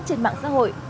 trên mạng xã hội